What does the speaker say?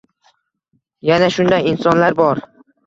Yana shunday insonlar bor